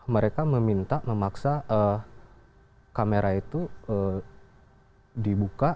mereka meminta memaksa kamera itu dibuka